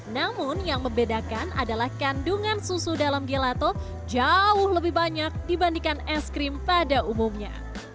namun yang membedakan adalah kandungan susu dalam gelato jauh lebih banyak dibandingkan es krim pada umumnya